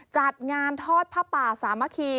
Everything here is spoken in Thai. จัดงานทอดผ้าป่าสามัคคี